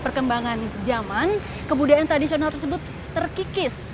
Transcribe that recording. perkembangan zaman kebudayaan tradisional tersebut terkikis